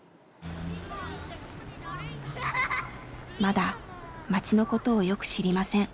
まだ町のことをよく知りません。